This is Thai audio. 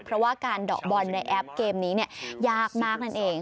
เพราะว่าการเดาะบอลในแอปเกมนี้ยากมากนั่นเอง